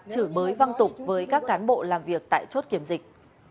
chửi bới văng tục với các cán bộ làm việc tại chốt kiểm dịch